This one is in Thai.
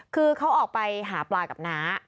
คือเขาออกไปหาปลากับน้า